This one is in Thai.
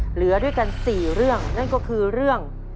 เหลือด้วยกัน๔เรื่องนั่นก็คือเรื่อง